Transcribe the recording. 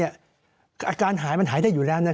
อาการหายมันหายได้อยู่แล้ว